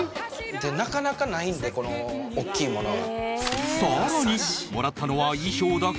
なかなかないんでこのおっきいものが。